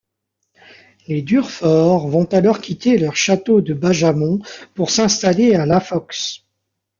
Les Durfort vont alors quitter leur château de Bajamont pour s'installer à Lafox.